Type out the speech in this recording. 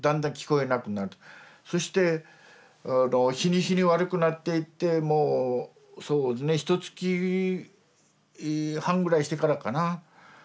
そして日に日に悪くなっていってもうそうねひとつき半ぐらいしてからかな発病から。